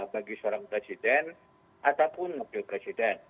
bagi seorang presiden ataupun wakil presiden